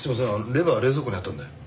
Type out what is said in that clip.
レバー冷蔵庫にあったんで。